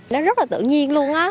nó rất là tự nhiên luôn á